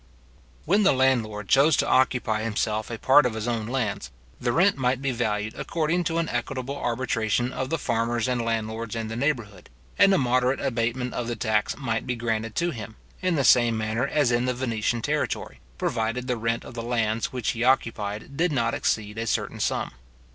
When the landlord chose to occupy himself a part of his own lands, the rent might be valued according to an equitable arbitration of the farmers and landlords in the neighbourhood, and a moderate abatement of the tax might be granted to him, in the same manner as in the Venetian territory, provided the rent of the lands which he occupied did not exceed a certain sum.